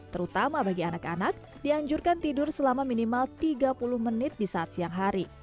terutama bagi anak anak dianjurkan tidur selama minimal tiga puluh menit di saat siang hari